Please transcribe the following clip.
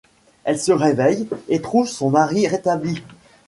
Elle se réveille et trouve son mari rétabli.